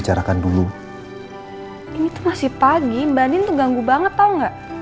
jadi andian sebelum nelfon